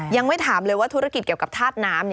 ยังไม่ถามเลยว่าธุรกิจเกี่ยวกับธาตุน้ำ